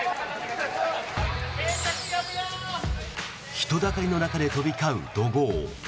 人だかりの中で飛び交う怒号。